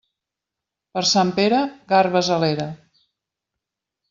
Per Sant Pere, garbes a l'era.